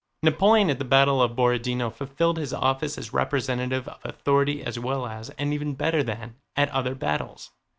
Napoleon at the battle of Borodinó fulfilled his office as representative of authority as well as, and even better than, at other battles.